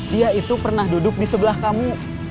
dia itu pernah duduk di sebelah kamu